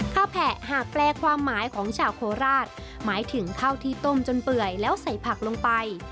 แผะหากแปลความหมายของชาวโคราชหมายถึงข้าวที่ต้มจนเปื่อยแล้วใส่ผักลงไป